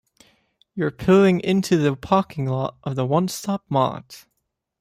You are pulling into the parking lot of the One Stop Mart.